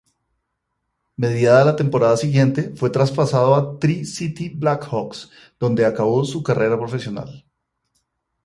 Mediada la temporada siguiente fue traspasado a Tri-Cities Blackhawks, donde acabó su carrera profesional.